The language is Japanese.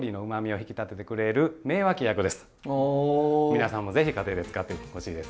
皆さんもぜひ家庭で使ってほしいです。